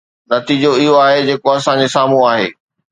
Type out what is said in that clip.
نتيجو اهو آهي جيڪو اسان جي سامهون آهي.